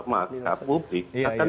maka publik akan